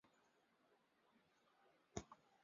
该湖的沉积物主要为盐和碱。